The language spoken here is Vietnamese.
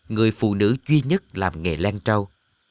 người phụ nữ duy nhất làm nghề len trâu